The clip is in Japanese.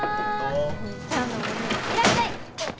いらっしゃい！